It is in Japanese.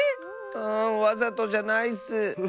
うんわざとじゃないッス！